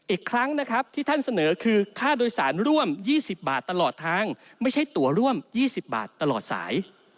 อีกครั้งนะครับที่ท่านเสนอคือค่าโดยสารร่วม๒๐บาทตลอดทางไม่ใช่ตัวร่วม๒๐บาทตลอดสาย